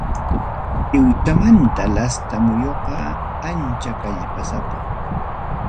Lliwchamanta lasta muyuqa ancha kallpasapam.